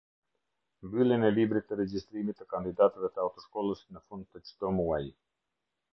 Mbylljen e librit të regjistrimit të kandidatëve të autoshkollës në fund të çdo muaji.